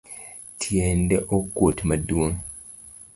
Tiendi okuot maduong.